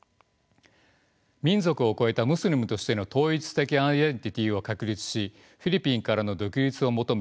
民族を超えたムスリムとしての統一的アイデンティティーを確立しフィリピンからの独立を求め